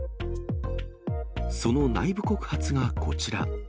その内部告発がこちら。